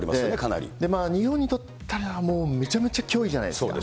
日本にとったらもう、めちゃめちゃ脅威じゃないですか。